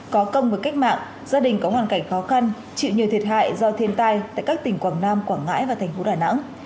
có công với cách mạng gia đình có hoàn cảnh khó khăn chịu nhiều thiệt hại do thiên tai tại các tỉnh quảng nam quảng ngãi và thành phố đà nẵng